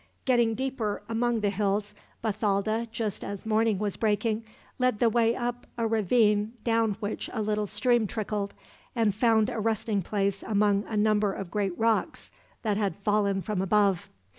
Getting deeper among the hills, Bathalda, just as morning was breaking, led the way up a ravine down which a little stream trickled, and found a resting place among a number of great rocks that had fallen from above.